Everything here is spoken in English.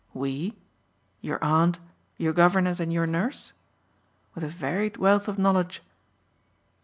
"'We' your aunt, your governess and your nurse? What a varied wealth of knowledge!"